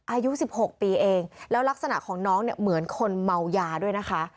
อายุ๑๖ปีเองแล้วลักษณะของน้องเนี่ยเหมือนคนเมายาด้วยนะคะ